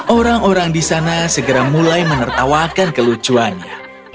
orang orang di sana segera mulai menertawakan kelucuannya